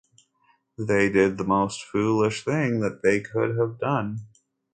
They did the most foolish thing that they could have done.